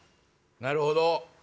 なるほど！